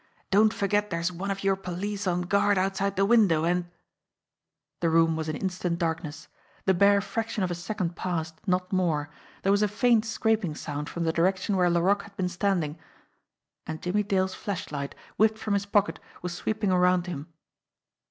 Don't forget there's one of your police on guard outside the window, and " The room was in instant darkness. The bare fraction of a second passed, not more ; there was a faint scraping sound from the direction where Laroque had been standing and Jimmie Dale's flashlight, whipped from his pocket, was sweeping around him.